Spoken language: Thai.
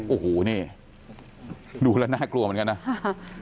โอ้โหนี่ดูแล้วน่ากลัวเหมือนกันนะ